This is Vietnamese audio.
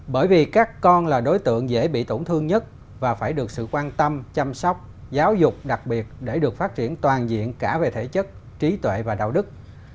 bởi vì các con là đối tượng dễ bị tổn thương nhất và phải được sự quan tâm chăm sóc giáo dục đặc biệt để được phát triển toàn diện cả về thể chất trí tuệ và đạo đức